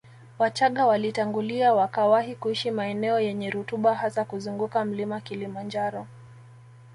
Wachaga walitangulia wakawahi kuishi maeneo yenye rutuba hasa kuzunguka mlima Kilimanjaro